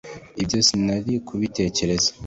ibyo sinari kubitekereza.